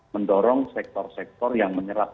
mendorong sektor sektor yang menyerap